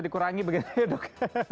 dikurangi begitu ya dok